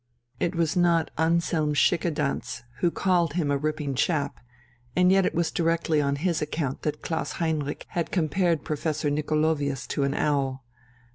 It was not Anselm Schickedanz who called him a "ripping chap," and yet it was directly on his account that Klaus Heinrich had compared Professor Nicolovius to an owl.